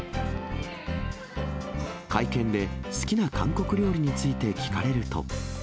会見で好きな韓国料理について聞かれると。